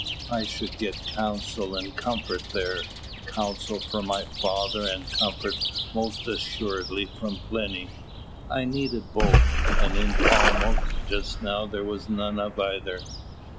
I should get counsel and comfort there; counsel from my father and comfort most assuredly from Plinny. I needed both, and in Falmouth just now there was none of either.